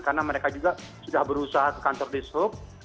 karena mereka juga sudah berusaha kantor ishope